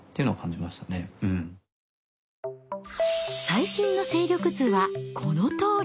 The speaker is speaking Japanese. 最新の勢力図はこのとおり。